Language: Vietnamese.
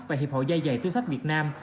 và hiệp hội da dày túi sách việt nam